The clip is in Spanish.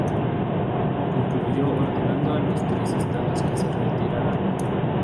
Concluyó ordenando a los tres Estados que se retiraran.